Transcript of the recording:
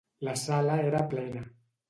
La sala era plena.